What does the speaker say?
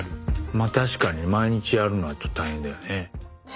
まあ確かに毎日やるのはちょっと大変だよね。